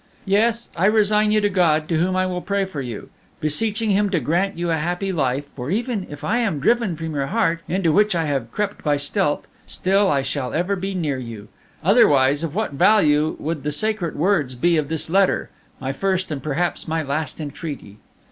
"Yes, I resign you to God, to whom I will pray for you, beseeching Him to grant you a happy life; for even if I am driven from your heart, into which I have crept by stealth, still I shall ever be near you. Otherwise, of what value would the sacred words be of this letter, my first and perhaps my last entreaty?